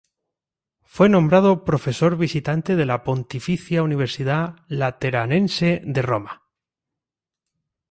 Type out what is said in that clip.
Fue nombrado profesor visitante de la Pontificia Universidad Lateranense de Roma.